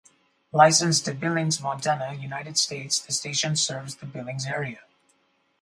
Licensed to Billings, Montana, United States, the station serves the Billings area.